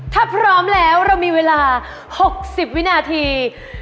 ถ้าพร้อมแล้วเรามีเวลา๖๐วินาที